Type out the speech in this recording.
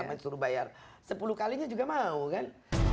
karena disuruh bayar sepuluh kalinya juga mau kan